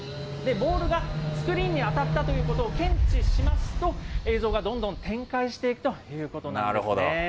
ボールがスクリーンに当たったということを検知しますと、映像がどんどん展開していくということなんですね。